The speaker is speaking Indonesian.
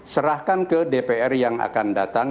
serahkan ke dpr yang akan datang